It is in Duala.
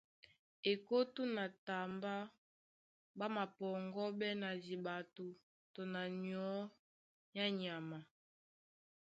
Ekótó na tambá ɓá mapɔŋgɔ́ɓɛ́ na diɓato tɔ na nyɔ̌ á nyama.